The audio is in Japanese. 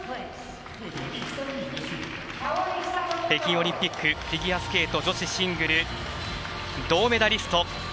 北京オリンピックフィギュアスケート女子シングル銅メダリスト